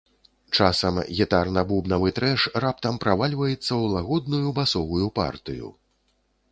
Часам гітарна-бубнавы трэш раптам правальваецца ў лагодную басовую партыю.